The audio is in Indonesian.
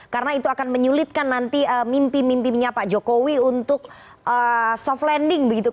karena itu akan menyulitkan nanti mimpi mimpinya pak jokowi untuk soft landing